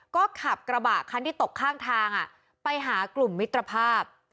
ก็ขับกระบะคันที่ตกข้างทางไปหากลุ่มมิตรภาพ